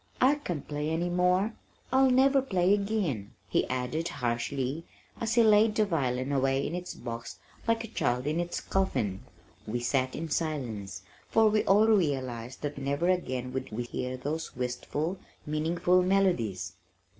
"I can't play any more. I'll never play again," he added harshly as he laid the violin away in its box like a child in its coffin. We sat in silence, for we all realized that never again would we hear those wistful, meaningful melodies.